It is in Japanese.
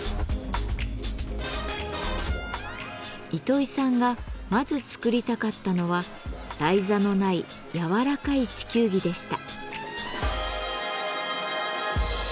糸井さんがまず作りたかったのは台座のないやわらかい地球儀でした。